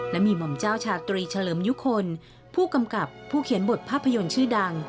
และมีหม่อมเจ้าชาตรีเฉลิมยุคลผู้กำกับผู้เขียนบทภาพยนตร์ชื่อดัง